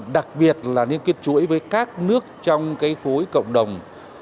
đặc biệt là niên kết chuỗi với các nước trong khối cộng đồng